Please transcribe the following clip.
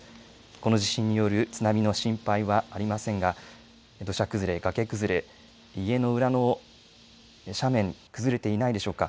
この地震による津波の心配はありませんが、土砂崩れ、がけ崩れ、家の裏の斜面、崩れていないでしょうか。